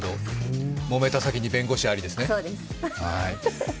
もめた先に弁護士ありですね。